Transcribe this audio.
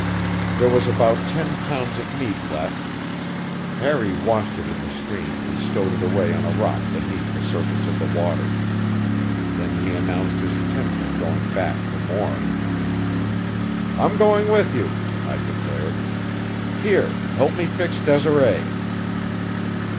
There was about ten pounds of meat left. Harry washed it in the stream and stowed it away on a rock beneath the surface of the water. Then he announced his intention of going back for more. "I'm going with you," I declared. "Here help me fix Desiree."